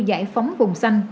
giải phóng vùng xanh